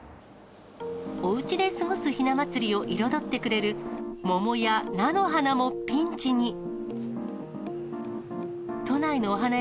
おうちで過ごすひな祭りを彩ってくれる、桃や菜の花もピンチに。